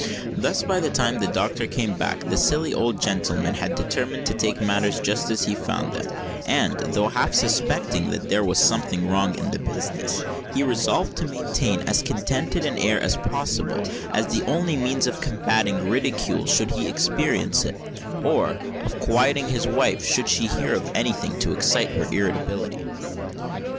Thus, by the time the doctor came back, the silly old gentleman had determined to take matters just as he found them: and, though half suspecting that there was something wrong in the business, he resolved to maintain as contented an air as possible, as the only means of combatting ridicule should he experience it, or of quieting his wife should she hear of any thing to excite her irritability.